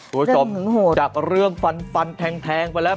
ครูชมจากเรื่องฟันแทงไปแล้ว